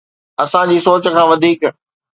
اسان جي سوچ کان وڌيڪ